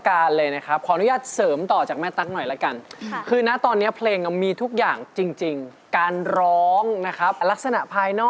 คุณสื่อสารได้ดีมากแต่ว่านะตอนนี้เพลงเพลงเร็วเนี่ย